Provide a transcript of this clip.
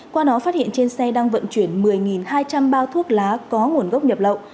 qua đó phát hiện trên xe đang vận chuyển một mươi hai trăm linh bao thuốc lá có nguồn gốc nhập lậu